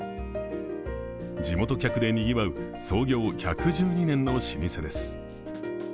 地元客でにぎわう創業１１２年の老舗です。